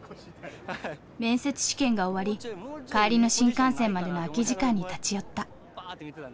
面接試験が終わり帰りの新幹線までの空き時間に立ち寄った。